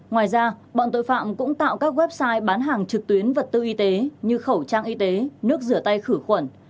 ngoài ra bọn tội phạm cũng tạo các website bán hàng trực tuyến vật tư y tế như khẩu trang y tế nước rửa tay khử khuẩn